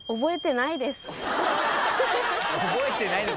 覚えてないんだ。